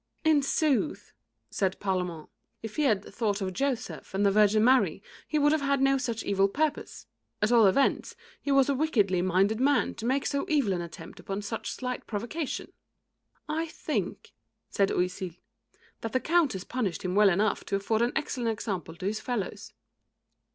"In sooth," said Parlamente, "if he had thought of Joseph and the Virgin Mary, he would have had no such evil purpose. At all events, he was a wickedly minded man to make so evil an attempt upon such slight provocation." "I think," said Oisille, "that the Countess punished him well enough to afford an excellent example to his fellows."